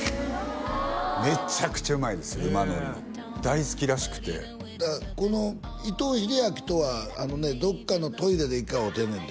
めちゃくちゃうまいです馬乗るの大好きらしくてだからこの伊藤英明とはあのねどっかのトイレで１回会うてんねんて